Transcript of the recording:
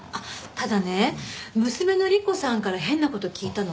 ただね娘の莉子さんから変な事聞いたの。